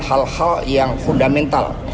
hal hal yang fundamental